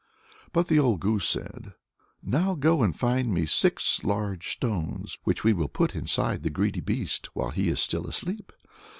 But the old goose said, "Now go and find me six large stones, which we will put inside the greedy beast while he is still asleep."